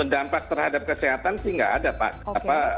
dampak terhadap kesehatan sih nggak ada pak